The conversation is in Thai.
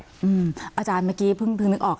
อเจมส์อาจารย์เหมือนก็เพิ่งนึกออกผม